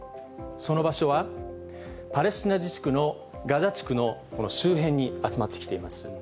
その場所は、パレスチナ自治区のガザ地区のこの周辺に集まってきています。